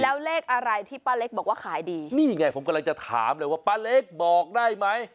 แล้วเลขอะไรที่ป้าเล็กบอกว่าขายดีนี่ไงผมกำลังจะถามเลยว่าป้าเล็กบอกได้ไหม